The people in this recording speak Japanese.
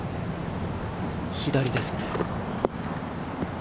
左ですね。